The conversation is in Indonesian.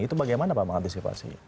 itu bagaimana pak mengantisipasinya